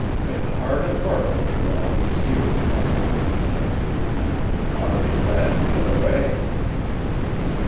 'Been hard at work here all these years, mother,' said David. 'Oughter be glad t' git away.'